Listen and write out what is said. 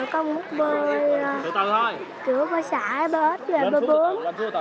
con mong muốn bơi chữa bơi sợi bơi bướm